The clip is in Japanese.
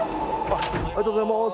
ありがとうございます。